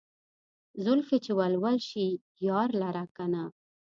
زلفې چې ول ول شي يار لره کنه